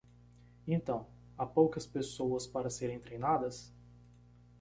Então, há poucas pessoas para serem treinadas?